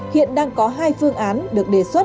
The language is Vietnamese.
hiện đang có hai phương án được đề xuất